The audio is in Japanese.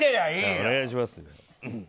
お願いします。